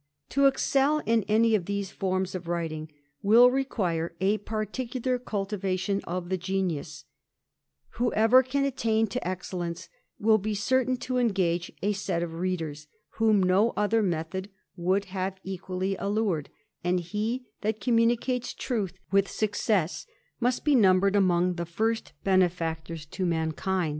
To excel in any of these forms of writing will require a particular cultivation of the genius : whoever can attain to excellence, will be certain to engage a set of readers, whom no other method would have equally allured ; and he that conm:iunicates truth with success, must be numbered among the first benefactors to mankind.